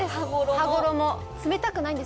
羽衣冷たくないんです